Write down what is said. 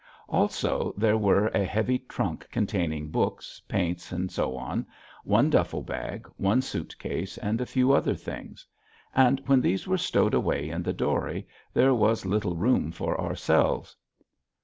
Also there were a heavy trunk containing books, paints, etc., one duffel bag, one suit case, and a few other things. And when these were stowed away in the dory there was little room for ourselves.